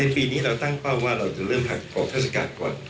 ปีนี้เราตั้งเป้าว่าเราจะเริ่มออกเทศกาลก่อน